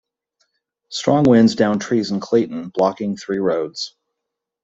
Strong winds downed trees in Clayton, blocking three roads.